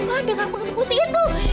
apaan dengan ular putih itu